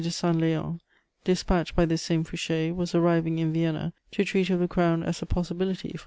de Saint Léon, dispatched by this same Fouché, was arriving in Vienna to treat of the crown as a "possibility" for M.